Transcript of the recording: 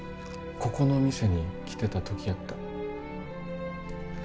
ここの店に来てた時やった。